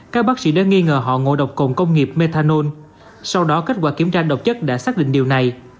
các bác sĩ đã nghi ngờ họ ngộ độc cồn công nghiệp methanol sau đó kết quả kiểm tra độc chất đã xác định điều này